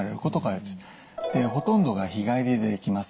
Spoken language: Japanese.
ほとんどが日帰りでできます。